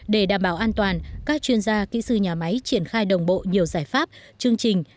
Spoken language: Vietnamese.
để đảm bảo an toàn các chuyên gia kỹ sư nhà máy triển khai đồng bộ nhiều giải pháp chương trình